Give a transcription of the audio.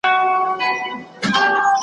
موږ د محبت یوه جذبه راوړې وه